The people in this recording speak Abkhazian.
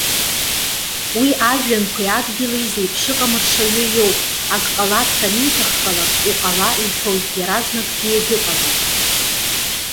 Уи ажәҩанқәеи адгьыли зеиԥш ыҟам ршаҩы иоуп; акы ҟаларц аниҭаххалак, уҟала!- иҳәоит, иаразнакгьы иагьыҟалоит.